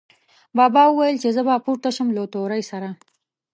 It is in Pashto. بابا ویل، چې زه به پورته شم له تورې سره